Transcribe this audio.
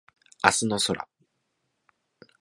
明日の空